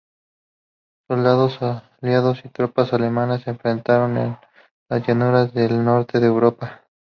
Soldados aliados y tropas alemanes se enfrentan en las llanuras del norte de Europa.